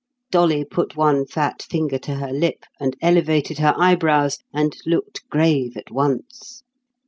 Dolly put one fat finger to her lip, and elevated her eyebrows, and looked grave at once.